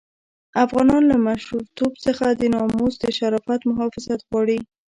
افغانان له مشرتوب څخه د ناموس د شرافت محافظت غواړي.